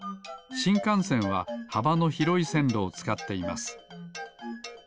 しんかんせんははばのひろいせんろをつかっています。